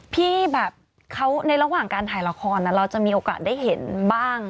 พี่แบบเขาในระหว่างการถ่ายละครเราจะมีโอกาสได้เห็นบ้าง